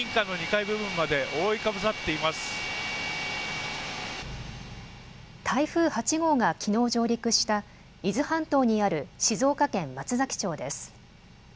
台風８号がきのう上陸した伊豆半島にある静岡県松崎町です。